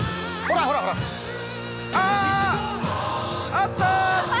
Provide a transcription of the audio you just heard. あった！